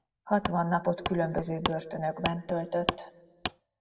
Hatvan napot különböző börtönökben töltött.